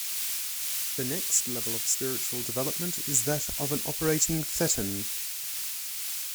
The next level of spiritual development is that of an Operating Thetan.